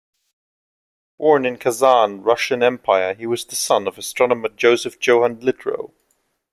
Born in Kazan, Russian Empire, he was the son of astronomer Joseph Johann Littrow.